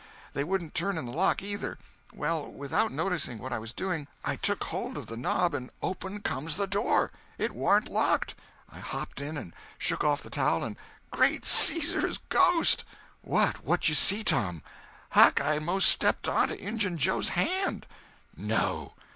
They wouldn't turn in the lock, either. Well, without noticing what I was doing, I took hold of the knob, and open comes the door! It warn't locked! I hopped in, and shook off the towel, and, Great Caesar's Ghost!" "What!—what'd you see, Tom?" "Huck, I most stepped onto Injun Joe's hand!" "No!"